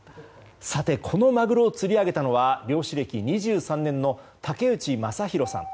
このマグロを釣り上げたのは漁師歴２３年の竹内正弘さん。